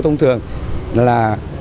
thông thường là